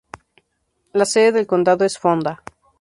La sede del condado es Fonda.